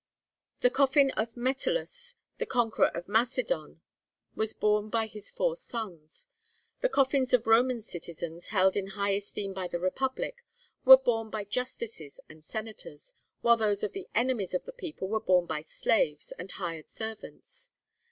The coffin of Metellus, the conqueror of Macedon, was borne by his four sons. The coffins of Roman citizens held in high esteem by the Republic, were borne by justices and senators, while those of the enemies of the people were borne by slaves and hired servants.